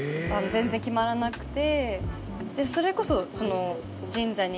全然決まらなくて。